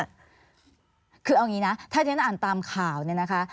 คือเอาอย่างนี้นะถ้าเท่านั้นอ่านตามข่าวเนี่ยนะคะ